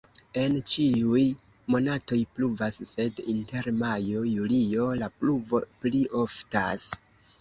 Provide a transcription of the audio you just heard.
En ĉiuj monatoj pluvas, sed inter majo-julio la pluvo pli oftas.